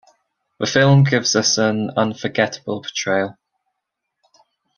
The film gives us an unforgettable portrayal.